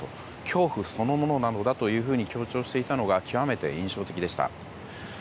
恐怖そのものなのだと強調していたのが極めて印象的でした。